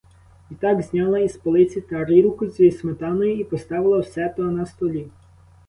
Відтак зняла із полиці тарілку зі сметаною і поставила все то на столі.